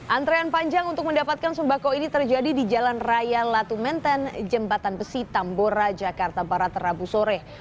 antrean panjang untuk mendapatkan sembako ini terjadi di jalan raya latu menten jembatan besi tambora jakarta barat rabu sore